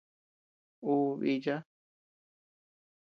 Ú bícha.